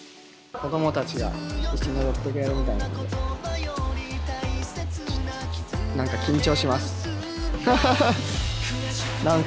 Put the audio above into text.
子どもたちが一緒に踊ってくれるみたいなんで。